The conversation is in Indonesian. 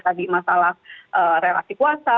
tadi masalah relasi kuasa